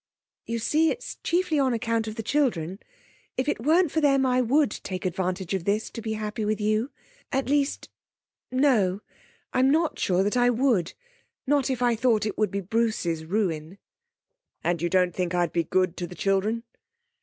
'You see, it's chiefly on account of the children. If it weren't for them I would take advantage of this to be happy with you. At least no I'm not sure that I would; not if I thought it would be Bruce's ruin.' 'And you don't think I'd be good to the children?'